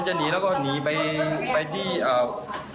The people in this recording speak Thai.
มันจะหนีแล้วก็หนีไปที่แถวโรงแรม